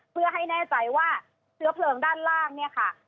เพื่อให้แน่ใจว่าเชื้อเพลิงด้านล่างเนี่ยค่ะ